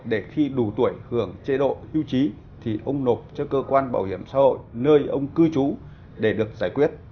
để khi đủ tuổi hưởng chế độ hưu trí thì ông nộp cho cơ quan bảo hiểm xã hội nơi ông cư trú để được giải quyết